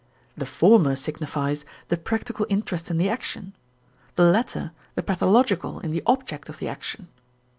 The former signifies the practical interest in the action, the latter the pathological in the object of the action.